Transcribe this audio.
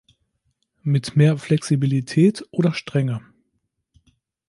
Mit mehr Flexibilität oder Strenge?